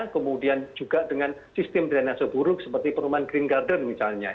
kemudian juga dengan sistem drainase buruk seperti perumahan green garden misalnya